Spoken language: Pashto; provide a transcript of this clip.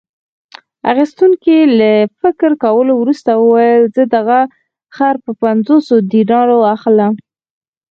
اخیستونکي له فکر کولو وروسته وویل: زه دغه خر په پنځوسو دینارو اخلم.